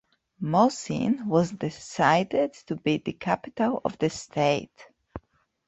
Mosin was decided to be the capital of the state.